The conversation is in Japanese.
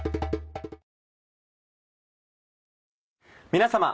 皆様。